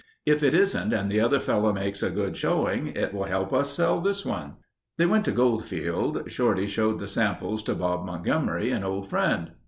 If it isn't and the other fellow makes a good showing it will help us sell this one." They went to Goldfield. Shorty showed the sample to Bob Montgomery, an old friend.